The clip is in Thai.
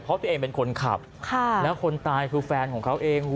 เพราะตัวเองเป็นคนขับแล้วคนตายคือแฟนของเขาเอง